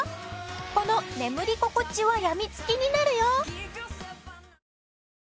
この眠り心地は病み付きになるよ！